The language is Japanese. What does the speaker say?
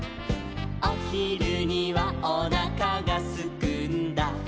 「おひるにはおなかがすくんだ」